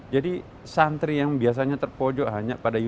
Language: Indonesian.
jadi santri yang biasanya terpojok hanya pada